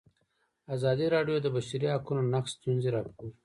ازادي راډیو د د بشري حقونو نقض ستونزې راپور کړي.